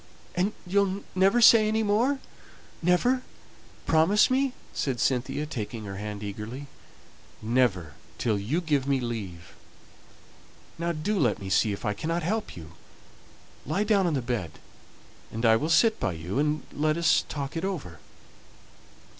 "And you'll never say any more never promise me," said Cynthia, taking her hand eagerly. "Never till you give me leave. Now do let me see if I cannot help you. Lie down on the bed, and I'll sit by you, and let us talk it over."